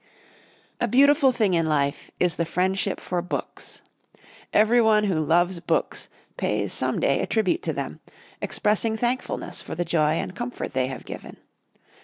_ A beautiful thing in life is the friendship for books. Every one who loves books pays some day a tribute to them, expressing thankfulness for the joy and comfort they have given.